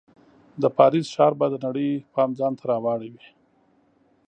د پاریس ښار به د نړۍ پام ځان ته راواړوي.